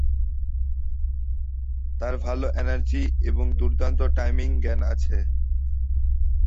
তার ভাল এনার্জি এবং দুর্দান্ত টাইমিং জ্ঞান আছে।